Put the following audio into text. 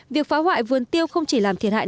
việc phá hoại vườn tiêu không chỉ làm thiệt hại